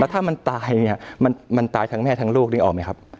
ถ้ามันตายเนี่ยมันตายทั้งแม่ทั้งลูกนึกออกไหมครับ